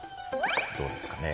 どうですかね